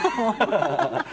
ハハハハ！